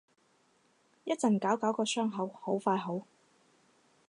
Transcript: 一陣搞搞個傷口，好快好